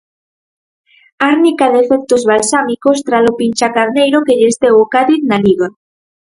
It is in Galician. Árnica de efectos balsámicos tralo pinchacarneiro que lles deu o Cádiz na Liga.